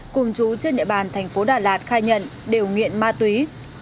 cùng chú chức địa bàn tp đà lạt khai nhận điều nghiện ma túy